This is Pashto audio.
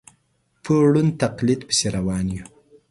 په ړوند تقلید پسې روان یو.